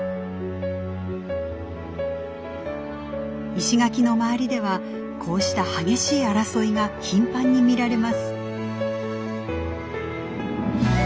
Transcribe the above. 石垣の周りではこうした激しい争いが頻繁に見られます。